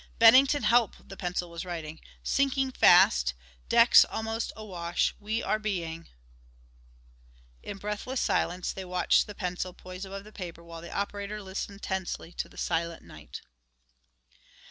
"Bennington help," the pencil was writing, "sinking fast decks almost awash we are being " In breathless silence they watched the pencil, poised above the paper while the operator listened tensely to the silent night.